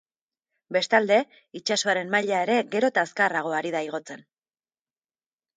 Bestalde, itsasoaren maila ere gero eta azkarrago ari da igotzen.